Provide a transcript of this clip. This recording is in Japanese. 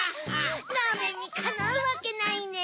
ラーメンにかなうわけないネ。